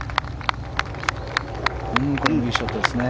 これもいいショットですね。